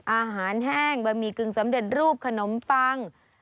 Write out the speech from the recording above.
อาหารแห้งบะหมี่กึ่งสำเร็จรูปขนมปัง